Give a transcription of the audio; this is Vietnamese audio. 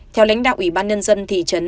theo lãnh đạo ủy ban nhân dân thị trấn